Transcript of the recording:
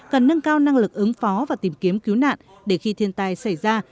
cần nâng cao năng lực ứng phó và tìm kiếm cứu nạn để khi thiên tai xảy ra